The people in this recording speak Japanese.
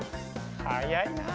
はやいなあ！